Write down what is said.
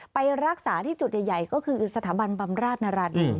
ไปรักษาที่จุดใหญ่ก็คือสถาบันบำราชนรันดิ์